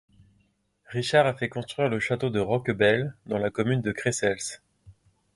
Richard a fait construire le château de Roquebelles dans la commune de Creissels.